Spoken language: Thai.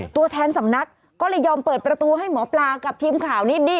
ตัวแทนสำนักก็เลยยอมเปิดประตูให้หมอปลากับทีมข่าวนี่